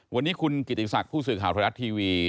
วันนี้คุณกิติศักดิ์ผู้สื่อข่าวไทยรัฐทีวี